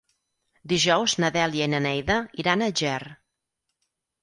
Dijous na Dèlia i na Neida iran a Ger.